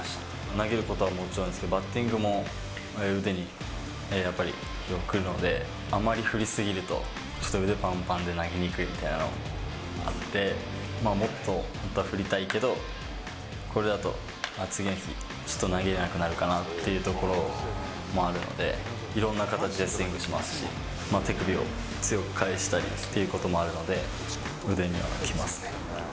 投げることはもちろんですけど、バッティングも腕にやっぱり疲労くるので、あまり振り過ぎると、ちょっと腕ぱんぱんで投げにくいみたいなのがあって、もっと本当は振りたいけど、これだと次の日、ちょっと投げれなくなるかなっていうところあるので、いろんな形でスイングしますし、手首を強く返したりっていうこともあるので、腕にはきますね。